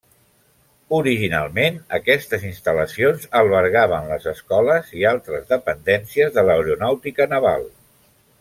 Originalment, aquestes instal·lacions albergaven les escoles i altres dependències de l'Aeronàutica naval.